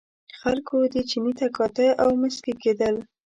خلکو دې چیني ته کاته او مسکي کېدل.